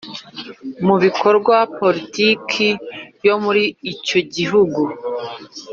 mu bikorwa politiki yo muri icyo gihugu